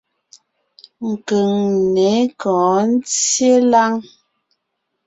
Keŋne kɔ̌ɔn ńtyê láŋ.